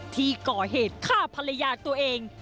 ที่ก่อเหตุฆ่าภรรยาตัวเอง